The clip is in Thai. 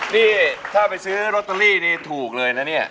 นี่ถ้าไปซื้อลอตเตอรี่นี่ถูกเลยนะเนี่ย